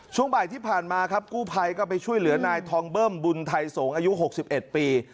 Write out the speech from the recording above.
ช่วงบ่ายที่ผ่านมาครับกู้ภัยก็ไปช่วยเหลือนายทองเบิ้มบุญไทยสงฆ์อายุ๖๑ปี